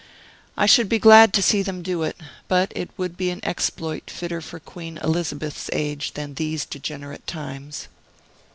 I should be glad to see them do it; but it would be an exploit fitter for Queen Elizabeth's age than these degenerate times.